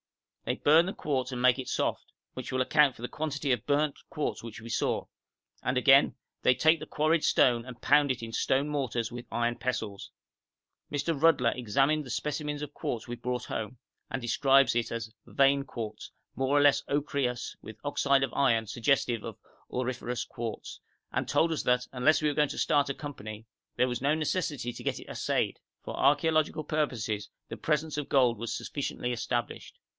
'They burn the quartz and make it soft,' which will account for the quantity of burnt quartz which we saw; and again, 'they take the quarried stone and pound it in stone mortars with iron pestles.' Mr. Rudler examined the specimens of quartz we brought home, and describes it as 'vein quartz, more or less ochreous with oxide of iron suggestive of auriferous quartz,' and told us that, unless we were going to start a company, there was no necessity to get it assayed; for archæological purposes the presence of gold was sufficiently established.